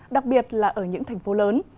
đặc biệt là ở những thành phố lớn